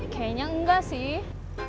kayaknya enggak sih